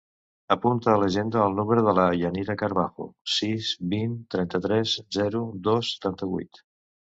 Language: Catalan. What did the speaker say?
Apunta a l'agenda el número de la Yanira Carbajo: sis, vint, trenta-tres, zero, dos, setanta-vuit.